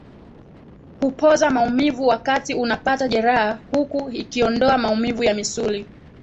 Hupoza maumivu wakati unapata jeraha huku ikiondoa maumivu ya misuli